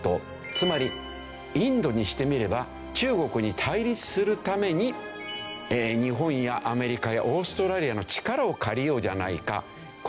つまりインドにしてみれば中国に対立するために日本やアメリカやオーストラリアの力を借りようじゃないか。